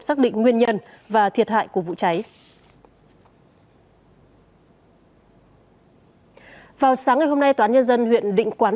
xác định nguyên nhân và thiệt hại của vụ cháy vào sáng ngày hôm nay toán nhân dân huyện định quán